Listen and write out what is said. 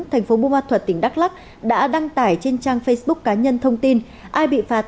thành phố bùa ma thuật tỉnh đắk lắc đã đăng tải trên trang facebook cá nhân thông tin ai bị phạt